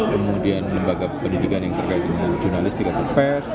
kemudian lembaga pendidikan yang terkait dengan jurnalis di ketua pers